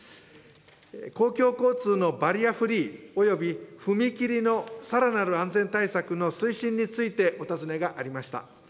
公共交通のバリアフリーおよび踏切のさらなる安全対策の推進についてお尋ねがありました。